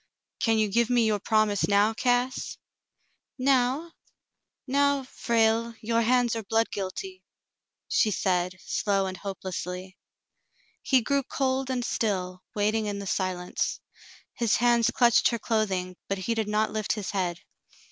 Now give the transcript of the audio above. "Can you give me your promise now, Cass ?'* "Now ? Now, Frale, your hands are blood guilty," she said, slowly and hopelessly. He grew cold and still, waiting in the silence. His hands clutched her clothing, but he did not lift his head.